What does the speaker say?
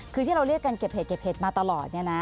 คือที่เราเรียกกันเก็บเห็ดมาตลอดเนี่ยนะ